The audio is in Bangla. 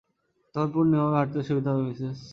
তখন পূর্ণিমা হবে, হাঁটতে সুবিধা হবে, মিসেস।